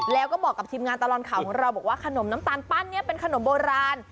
แล้วก็บอกกับทีมงานตลอดข่าวของเราบอกว่าขนมน้ำตาลปั้นเนี่ยเป็นขนมโบราณ